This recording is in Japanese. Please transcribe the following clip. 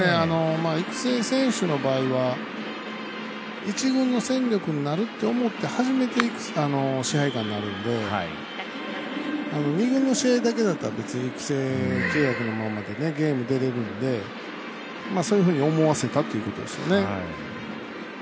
育成選手の場合は一軍の戦力になるって思って初めて支配下になるので二軍の試合だけだったら別に育成契約のままでゲーム出れるんでそういうふうに思わせたということですよね。